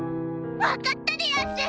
分かったでやんす！